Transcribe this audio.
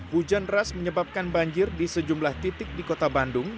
hujan deras menyebabkan banjir di sejumlah titik di kota bandung